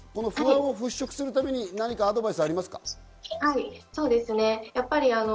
払拭するために何かアドバイスありますか？